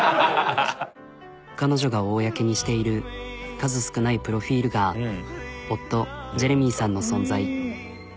彼女が公にしている数少ないプロフィルが夫ジェレミーさんの存在。